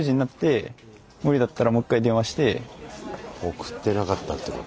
送ってなかったってこと？